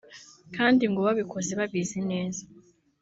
kandi ngo babikoze babizi neza